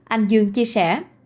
anh dương chia sẻ